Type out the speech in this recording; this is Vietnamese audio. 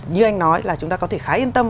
như anh nói là chúng ta có thể khá yên tâm